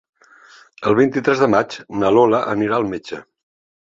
El vint-i-tres de maig na Lola anirà al metge.